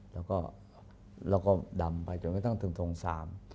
แล้วก็ดำไปจนก็ต้องถึงถงสาม